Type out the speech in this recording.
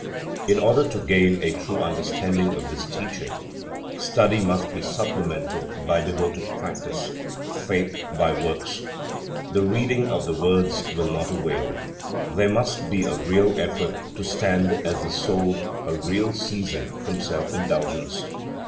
In order to gain a true understanding of this teaching, study must be supplemented by devoted practice, faith by works. The reading of the words will not avail. There must be a real effort to stand as the Soul, a real ceasing from self indulgence.